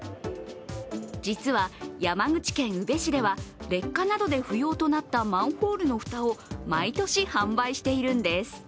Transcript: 実は、山口県宇部市では劣化などで不要となったマンホールの蓋を毎年販売しているんです。